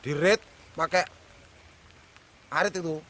dirit pakai arit itu